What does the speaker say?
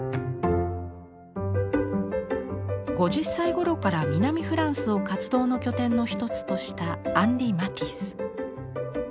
５０歳頃から南フランスを活動の拠点の一つとしたアンリ・マティス。